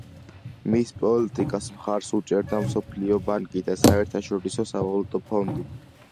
მის პოლიტიკას მხარს უჭერდა მსოფლიო ბანკი და საერთაშორისო სავალუტო ფონდი.